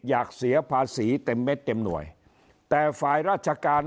อยากเสียภาษีเต็มเม็ดเต็มหน่วยแต่ฝ่ายราชการ